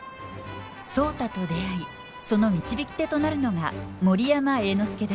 壮多と出会いその導き手となるのが森山栄之助です。